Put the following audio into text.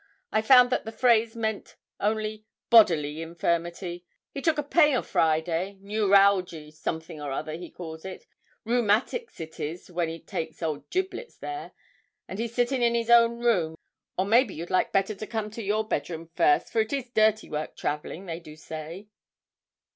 I found that the phrase meant only bodily infirmity. 'He took a pain o' Friday, newralgie something or other he calls it rheumatics it is when it takes old "Giblets" there; and he's sitting in his own room; or maybe you'd like better to come to your bedroom first, for it is dirty work travelling, they do say.'